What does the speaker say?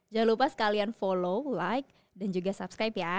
jangan lupa sekalian follow like dan juga subskype ya